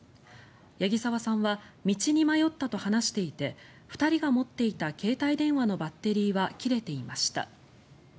八木澤さんは道に迷ったと話していて２人が持っていた携帯電話のバッテリーは切れていました。